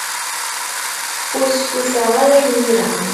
Ur stufaɣ ara imir-a.